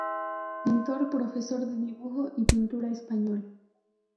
Pintor, profesor de dibujo y pintura español.